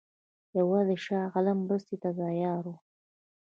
یوازې شاه عالم مرستې ته تیار وو.